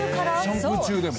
シャンプー中でも。